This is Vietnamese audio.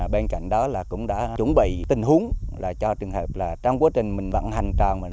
bên cạnh đó cũng đã chuẩn bị tình huống cho trường hợp trong quá trình mình vận hành tràn